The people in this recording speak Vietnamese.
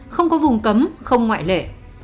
không có vùng cấm không ngoại lệ